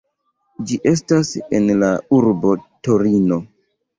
Ĝi estas en la urbo Torino.